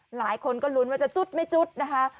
หลายคนก็ลุ้นว่าจะจุดไม่จุดนะคะ